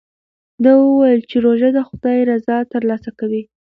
ده وویل چې روژه د خدای رضا ترلاسه کوي.